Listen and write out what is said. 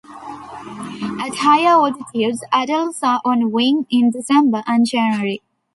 At higher altitudes adults are on wing in December and January.